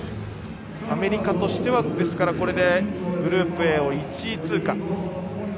アメリカとしてはこれで、グループＡを１位通過。